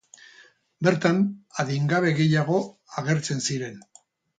Bertan, adingabe gehiago agertzen ziren.